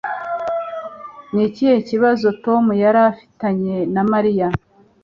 Ni ikihe kibazo Tom yari afitanye na Mariya